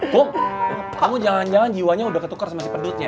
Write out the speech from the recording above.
kum kamu jangan jangan jiwanya udah ketukar sama si padot ya